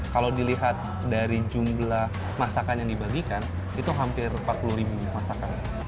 kalau dilihat dari jumlah masakan yang dibagikan itu hampir empat puluh ribu masakan